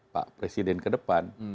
pak presiden ke depan